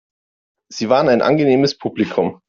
Sie waren ein angenehmes Publikum.